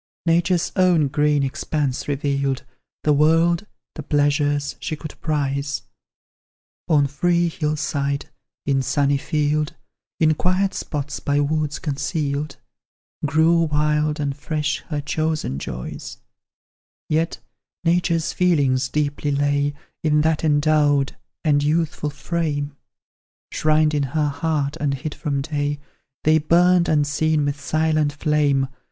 Nature's own green expanse revealed The world, the pleasures, she could prize; On free hill side, in sunny field, In quiet spots by woods concealed, Grew wild and fresh her chosen joys, Yet Nature's feelings deeply lay In that endowed and youthful frame; Shrined in her heart and hid from day, They burned unseen with silent flame.